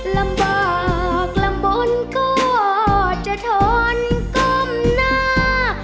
ลำบากลำบลก็จะทนก้มหน้า